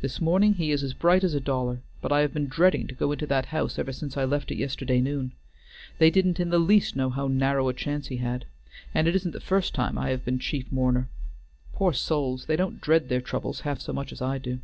This morning he is as bright as a dollar, but I have been dreading to go into that house ever since I left it yesterday noon. They didn't in the least know how narrow a chance he had. And it isn't the first time I have been chief mourner. Poor souls! they don't dread their troubles half so much as I do.